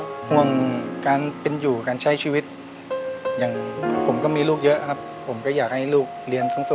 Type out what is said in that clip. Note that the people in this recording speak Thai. ห่วงการเป็นอยู่การใช้ชีวิตอย่างผมก็มีลูกเยอะครับผมก็อยากให้ลูกเรียนสูง